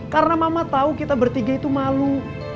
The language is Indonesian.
karena mama tau kita bertiga itu malu